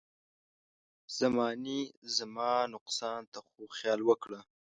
زمانې زما نقصان ته خو خيال وکړه.